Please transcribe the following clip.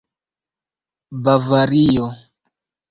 bavario